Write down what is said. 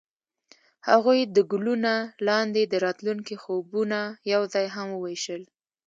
هغوی د ګلونه لاندې د راتلونکي خوبونه یوځای هم وویشل.